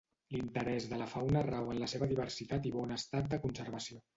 L'interès de la fauna rau en la seva diversitat i bon estat de conservació.